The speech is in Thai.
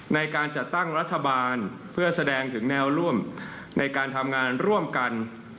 ในการจัดตั้งรัฐบาลเพื่อแสดงถึงแนวร่วมในการทำงานร่วมกัน